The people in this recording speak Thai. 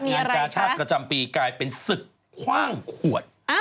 งานกาชาติประจำปีกลายเป็นศึกคว่างขวด